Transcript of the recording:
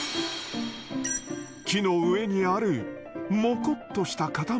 木の上にあるモコッとした塊。